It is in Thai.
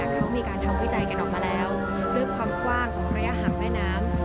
เขามีการทำวิจัยกันออกมาแล้วด้วยความกว้างของระยะห่างแม่น้ำ